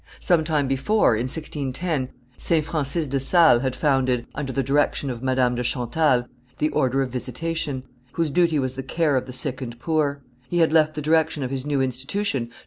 Some time before, in 1610, St. Francis de Sales had founded, under the direction of Madame de Chantal, the order of Visitation, whose duty was the care of the sick and poor; he had left the direction of his new institution to M.